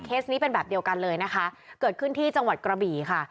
นี้เป็นแบบเดียวกันเลยนะคะเกิดขึ้นที่จังหวัดกระบี่ค่ะ